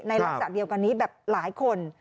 ลักษณะเดียวกันนี้แบบหลายคน